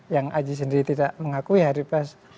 yang aji sendiri tidak mengakui hari pas